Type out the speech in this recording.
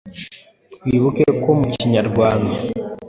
Twibuke ko mu Kinyarwanda